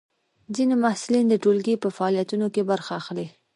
ځینې محصلین د ټولګي په فعالیتونو کې برخه اخلي.